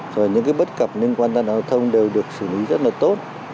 rồi những cái bất cập liên quan đến giao thông đều được xử lý rất là tốt